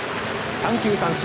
三球三振。